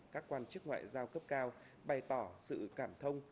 các quan chức ngoại giao cấp cao bày tỏ sự cảm thông